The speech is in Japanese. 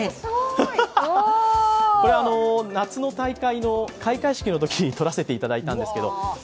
これは夏の大会の開会式のときに撮らせていただいたんですけど。